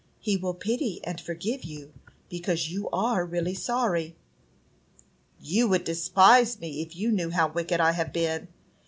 He will pity and forgive you because you are really sorry." "You would despise me if you knew how wicked I have been.